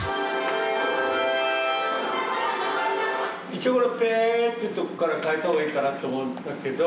一応この「ペ」というとこから変えた方がいいかなと思うんだけど。